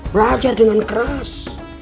belajar dengan keras